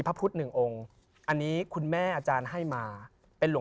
พระพุทธพิบูรณ์ท่านาภิรม